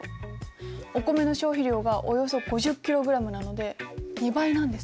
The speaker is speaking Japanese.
お米の消費量がおよそ５０ｋｇなので２倍なんです。